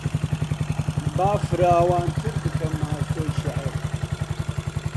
با فراوانتر بکەم ئاسۆی شێعر